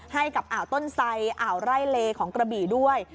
ให้กับอ่าวต้นไซอ่าวไร่เลของกระบี่ด้วย